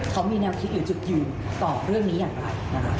เขามีแนวคิดอยู่จุดยืนต่อเรื่องนี้อย่างไร